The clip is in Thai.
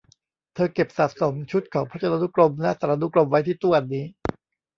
เธอเก็บสะสมชุดของพจนานุกรมและสารานุกรมไว้ที่ตู้อันนี้